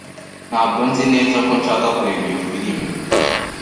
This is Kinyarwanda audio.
Ntabwo nzi neza ko nshaka kureba iyo firime.